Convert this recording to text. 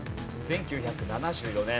１９７４年。